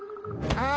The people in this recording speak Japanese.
ああ。